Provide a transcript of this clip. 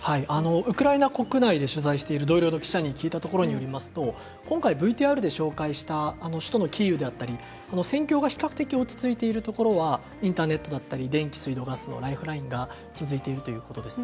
ウクライナ国内で取材している同僚の記者に聞きましたところ今回ＶＴＲで紹介した首都のキーウであったり戦況が比較的落ち着いているところはインターネットや電気水道のライフラインが続いているということです。